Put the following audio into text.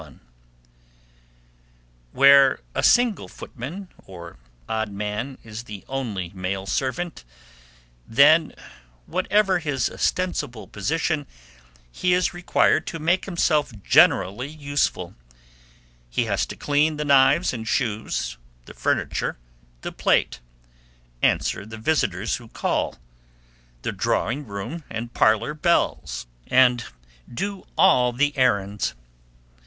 Where a single footman, or odd man, is the only male servant, then, whatever his ostensible position, he is required to make himself generally useful. He has to clean the knives and shoes, the furniture, the plate; answer the visitors who call, the drawing room and parlour bells; and do all the errands.